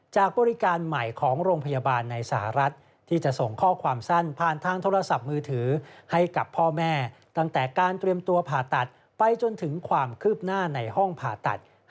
จากบริการใหม่ของโรงพยาบาลในสหรัฐ